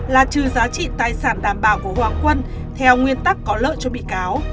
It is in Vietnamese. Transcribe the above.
là trừ giá trị tài sản đảm bảo của hoàng quân theo nguyên tắc có lợi cho bị cáo